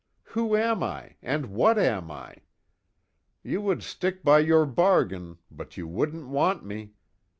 Who am I, and what am I? You would stick by your bargain but you wouldn't want me.